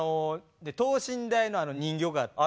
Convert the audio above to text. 等身大の人形があって。